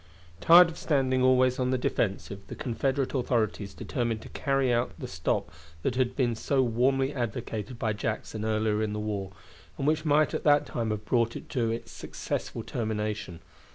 Tired of standing always on the defensive, the Confederate authorities determined to carry out the stop that had been so warmly advocated by Jackson earlier in the war, and which might at that time have brought it to a successful termination.